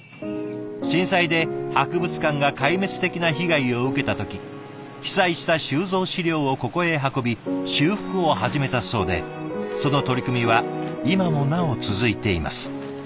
震災で博物館が壊滅的な被害を受けた時被災した収蔵資料をここへ運び修復を始めたそうでその取り組みは今もなお続いています。